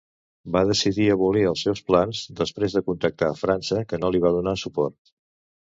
Va decidir abolir els seus plans després de contactar França, que no li va donar suport.